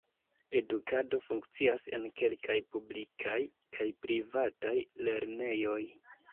Edukado funkcias en kelkaj publikaj kaj privataj lernejoj.